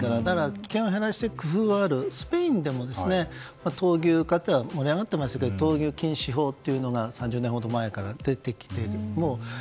危険を減らす工夫はありましてスペインでも闘牛は盛り上がっていましたが闘牛禁止法というのが３０年ほど前から出てきていて。